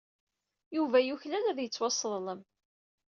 Yuba yuklal ad yettwasseḍlem.